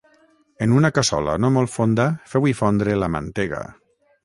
En una cassola no molt fonda feu-hi fondre la mantega